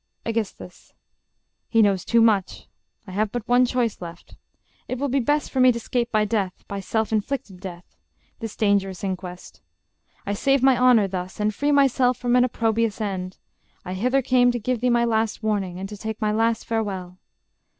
He knows too much: I have but one choice left: It will be best for me to 'scape by death, By self inflicted death, this dangerous inquest. I save my honor thus; and free myself From an opprobrious end. I hither came To give thee my last warning: and to take My last farewell...